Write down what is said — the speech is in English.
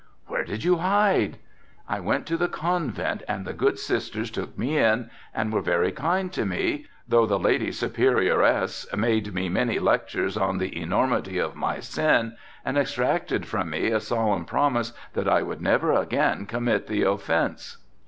"Where did you hide?" "I went to the Convent and the good sisters took me in and were very kind to me, though the Lady Superioress read me many lectures on the enormity of my sin and extracted from me a solemn promise that I would never again commit the offence."